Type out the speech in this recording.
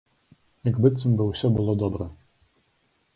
Як быццам бы ўсё было добра.